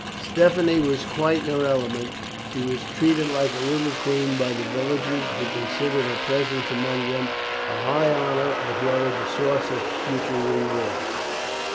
Stephanie was quite in her element. She was treated like a little queen by the villagers, who considered her presence among them a high honour as well as a source of future reward.